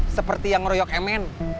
seperti yang ngeroyok mn